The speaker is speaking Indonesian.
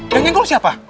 yang ngeluk siapa